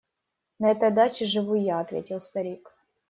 – На этой даче живу я, – ответил старик.